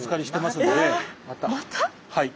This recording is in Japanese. はい。